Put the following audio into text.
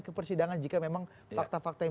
ke persidangan jika memang fakta fakta yang